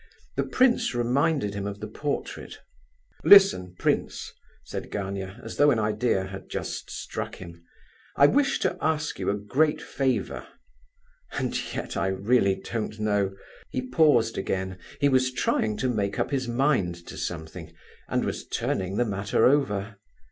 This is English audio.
The prince reminded him of the portrait. "Listen, prince," said Gania, as though an idea had just struck him, "I wish to ask you a great favour, and yet I really don't know—" He paused again, he was trying to make up his mind to something, and was turning the matter over.